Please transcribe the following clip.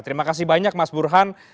terima kasih banyak mas burhan